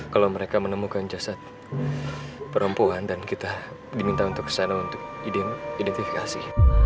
kalau mereka menemukan jasad perempuan dan kita diminta untuk kesana untuk identifikasi